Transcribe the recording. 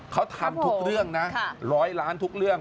เขาทำทุกเรื่องนะ๑๐๐ล้านทุกเรื่อง